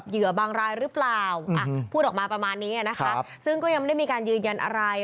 ซึ่งก็ยังไม่ได้มีการยืนยันอะไร